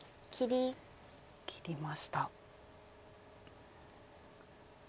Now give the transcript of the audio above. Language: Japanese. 切りました。